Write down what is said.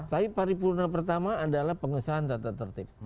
tapi paripurna pertama adalah pengesahan tata tertib